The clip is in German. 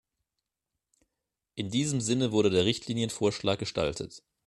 In diesem Sinne wurde der Richtlinienvorschlag gestaltet.